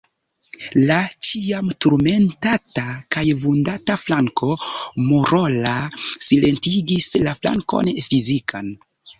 La ĉiam turmentata kaj vundata flanko morala silentigis la flankon fizikan.